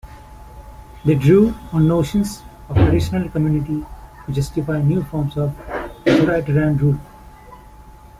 They drew on notions of traditional community to justify new forms of authoritarian rule.